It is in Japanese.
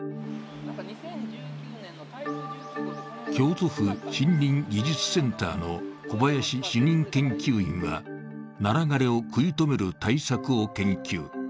京都府森林技術センターの小林主任研究員は、ナラ枯れを食い止める対策を研究。